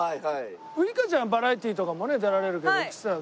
ウイカちゃんはバラエティとかもね出られるけど吉瀬さん